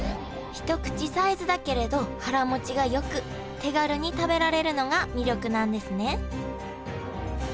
一口サイズだけれど腹もちがよく手軽に食べられるのが魅力なんですね